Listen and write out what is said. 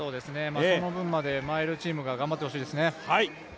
その分までマイルチームが頑張ってほしいですね。